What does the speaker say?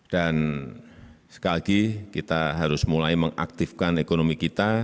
dan sekali lagi kita harus mulai mengaktifkan ekonomi kita